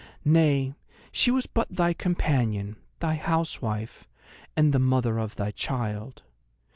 Nay, she was but thy companion, thy housewife, and the mother of thy child.